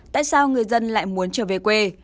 tại sao người dân lại muốn trở về quê